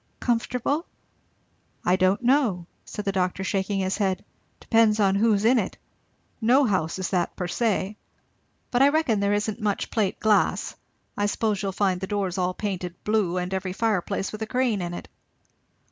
"Comfortable?" "I don't know," said the doctor shaking his head; "depends on who's in it. No house is that per se. But I reckon there isn't much plate glass. I suppose you'll find the doors all painted blue, and every fireplace with a crane in it."